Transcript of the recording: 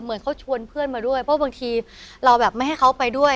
เหมือนเขาชวนเพื่อนมาด้วยเพราะบางทีเราแบบไม่ให้เขาไปด้วย